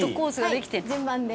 順番で。